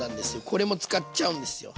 これも使っちゃうんですよ。